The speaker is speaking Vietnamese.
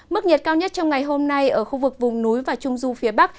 mức nhiệt cao nhất trong ngày hôm nay ở khu vực vùng núi và trung du phía bắc